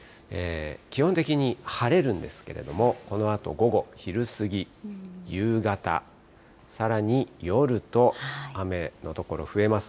基本的に晴れるんですけれども、このあと午後、昼過ぎ、夕方、さらに夜と雨の所増えます。